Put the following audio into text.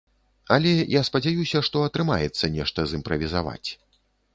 Але я спадзяюся, што атрымаецца нешта зымправізаваць.